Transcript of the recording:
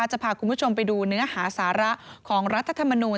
จะพาคุณผู้ชมไปดูเนื้อหาสาระของรัฐธรรมนูล